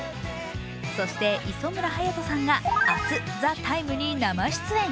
そして磯村勇斗さんが明日、「ＴＨＥＴＩＭＥ，」に生出演。